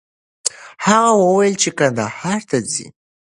هغه وویل چې کندهار ته ځي.